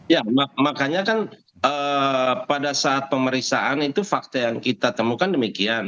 ya makanya kan pada saat pemeriksaan itu fakta yang kita temukan demikian